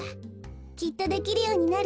きっとできるようになるわ。